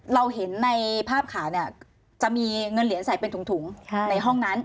เราเห็นในภาพขาเนี่ยจะมีเงินเหรียญใส่เป็นถุงในห้องนั้น